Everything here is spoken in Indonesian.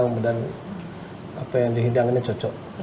mudah mudahan apa yang dihidanginnya cocok